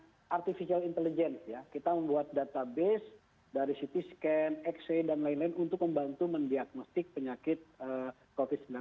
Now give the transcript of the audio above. juga kita punya artificial intelligence kita membuat database dari ct scan x ray dan lain lain untuk membantu mendiagnostik penyakit covid sembilan belas